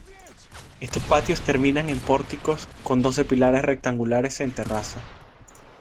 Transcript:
Estos patios terminan en pórticos con doce pilares rectangulares en terraza.